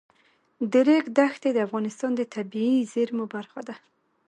د ریګ دښتې د افغانستان د طبیعي زیرمو برخه ده.